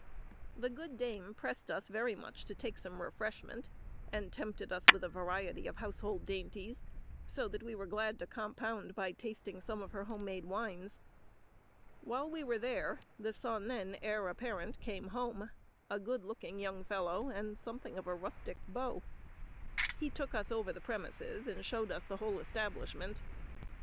The good dame pressed us very much to take some refreshment, and tempted us with a variety of household dainties, so that we were glad to compound by tasting some of her home made wines. While we were there, the son and heir apparent came home; a good looking young fellow, and something of a rustic beau. He took us over the premises, and showed us the whole establishment.